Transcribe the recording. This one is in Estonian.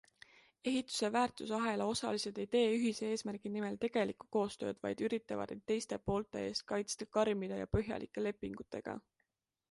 Ehituse väärtusahela osalised ei tee ühise eesmärgi nimel tegelikku koostööd, vaid üritavad end teiste poolte eest kaitsta karmide ja põhjalike lepingutega.